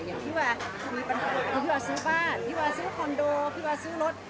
อย่างที่ว่ามีปัญหาคือพี่วาซื้อบ้านพี่วาซื้อคอนโดพี่วาซื้อรถ